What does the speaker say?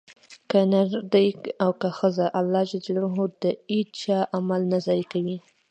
که نر دی او که ښځه؛ الله د هيچا عمل نه ضائع کوي